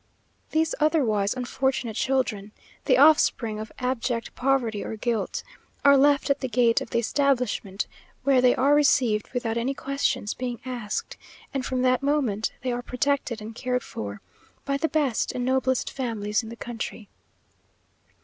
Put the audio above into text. These otherwise unfortunate children, the offspring of abject poverty or guilt, are left at the gate of the establishment, where they are received without any questions being asked; and from that moment, they are protected and cared for, by the best and noblest families in the country.